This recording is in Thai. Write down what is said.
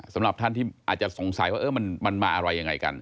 สำหรับท่านที่อาจจะสงสัยว่ามันมาอะไรยังไงกัน